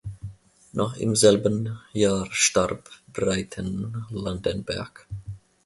Noch im selben Jahr starb Breitenlandenberg.